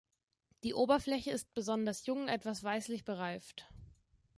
Die Oberfläche ist besonders jung etwas weißlich bereift.